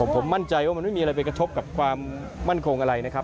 ผมมั่นใจว่ามันไม่มีอะไรไปกระทบกับความมั่นคงอะไรนะครับ